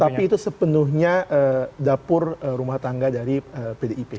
tapi itu sepenuhnya dapur rumah tangga dari pdip